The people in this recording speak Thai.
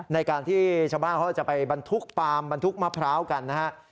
ในการที่ชาวบ้านเขาจะไปบรรทุกปาล์มบรรทุกมะพร้าวกันนะฮะ